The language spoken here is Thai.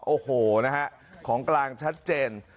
โอ้โหนะฮะของกลางชัดเจน